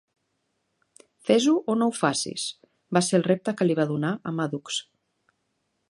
"Fes-ho, o no ho facis" va ser el repte que li va donar a Maddux.